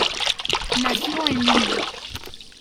Nació en Lima.